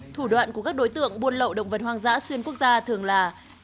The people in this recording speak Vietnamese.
thủ đoạn của các đối tượng buôn lậu động vật hoang dã xuyên quốc gia thường là